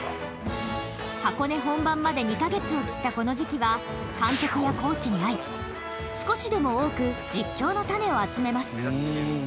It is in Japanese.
箱根本番まで２か月を切ったこの時期は監督やコーチに会い少しでも多く実況のタネを集めます